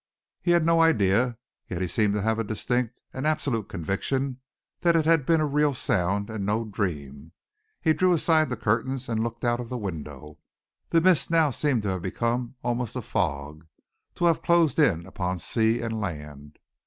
He had no idea, yet he seemed to have a distinct and absolute conviction that it had been a real sound and no dream. He drew aside the curtains and looked out of the window. The mist now seemed to have become almost a fog, to have closed in upon sea and land.